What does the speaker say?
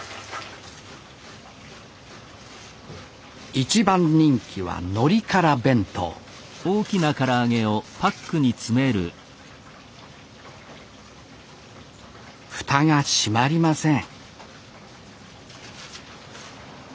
一番人気はのりカラ弁当蓋が閉まりません